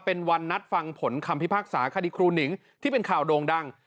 เป็นวันนัดฟังผลคำพิพากษาคดีครูหนิงที่เป็นข่าวโด่งดัง